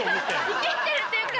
イキってるっていうか。